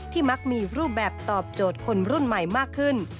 มักมีรูปแบบตอบโจทย์คนรุ่นใหม่มากขึ้น